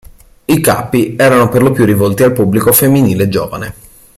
I capi erano perlopiù rivolti al pubblico femminile giovane.